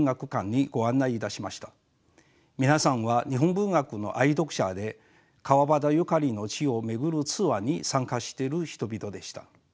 皆さんは日本文学の愛読者で川端ゆかりの地を巡るツアーに参加している人々でした。